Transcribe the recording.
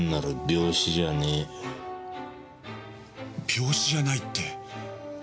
病死じゃないって？